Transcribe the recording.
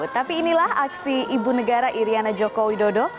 tapi inilah aksi ibu negara iryana joko widodo